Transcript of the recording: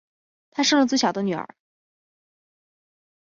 她生了最小的女儿